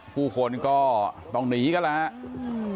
ผู้คนก็ต้องหนีกันแล้วครับ